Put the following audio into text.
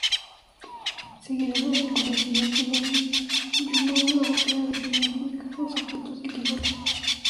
Seguidor de Nicolás Díaz de Benjumea en la búsqueda de significados ocultos del Quijote.